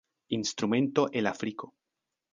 Instrumento el Afriko.